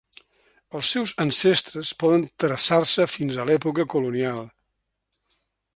Els seus ancestres poden traçar-se fins a l'època colonial.